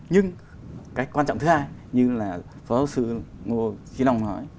nhưng cái quan trọng thứ hai như là phó giáo sư ngô khi nông nói